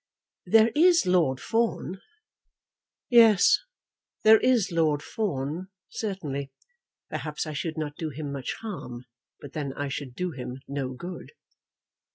"There is Lord Fawn." "Yes, there is Lord Fawn, certainly. Perhaps I should not do him much harm; but then I should do him no good."